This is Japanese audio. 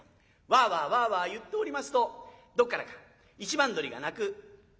わあわあわあわあ言っておりますとどっからか一番鶏が鳴く。